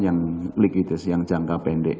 yang leaguedes yang jangka pendek